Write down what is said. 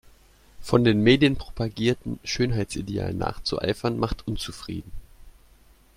Von den Medien propagierten Schönheitsidealen nachzueifern macht unzufrieden.